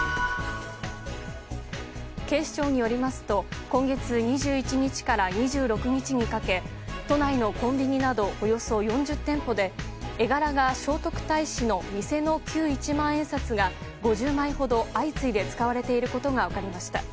警視庁によりますと今月２１から２６日にかけ都内のコンビニなどおよそ４０店舗で絵柄が聖徳太子の偽の旧一万円札が５０枚ほど相次いで使われていることが分かりました。